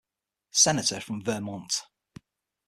Senator from Vermont.